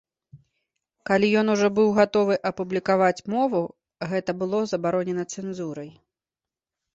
Калі ён ужо быў гатовы апублікаваць мову, гэта было забаронена цэнзурай.